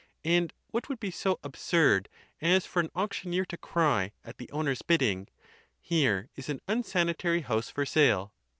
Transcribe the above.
And what would be so absurd as for an auctioneer to cry, at the owner's bidding, ' Here is an unsanitary house for sale